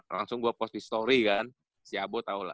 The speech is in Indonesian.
langsung gua post di story kan si abo tau lah